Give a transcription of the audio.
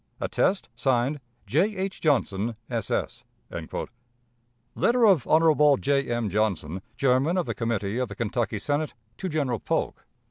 "Attest: (Signed) J. H. Johnson, S. S." Letter of Hon. J. M. Johnson, Chairman of the Committee of the Kentucky Senate, to General Polk.